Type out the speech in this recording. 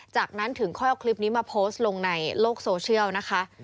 จากนั้นถึงค่อยเอาคลิปนี้มาโพสต์ลงในโลกโซเชียลนะคะ